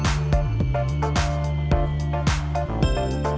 ini hanya seratus liter